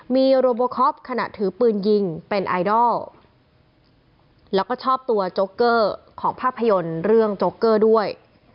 มีโรโบคอปขณะถือปืนยิงเป็นไอดอลแล้วก็ชอบตัวโจ๊กเกอร์ของภาพยนตร์เรื่องโจ๊กเกอร์ด้วย